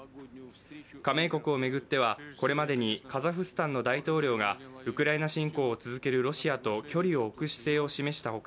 加盟国を巡ってはこれまでにカザフスタンの大統領がウクライナ侵攻を続けるロシアと距離を置く姿勢を示した他